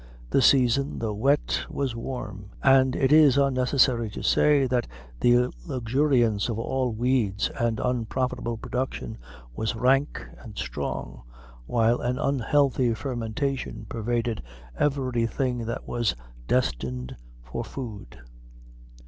The season, though wet, was warm; and it is unnecessary to say that the luxuriance of all weeds and unprofitable production was rank and strong, while an unhealthy fermentation pervaded every thing that was destined for food.